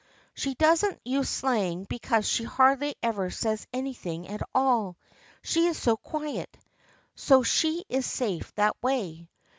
She doesn't use slang because she hardly ever says anything at all, she is so quiet, so she is safe that way.